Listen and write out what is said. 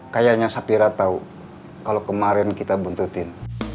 kayaknya sapira tahu kalau kemarin kita buntutin